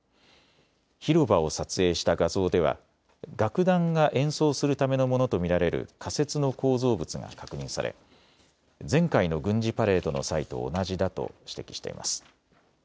広場を撮影した画像では楽団が演奏するためのものと見られる仮設の構造物が確認され前回の軍事パレードの際と同じだと指摘しています。